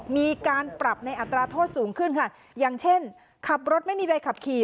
มีการปรับในอัตราโทษสูงขึ้นค่ะอย่างเช่นขับรถไม่มีใบขับขี่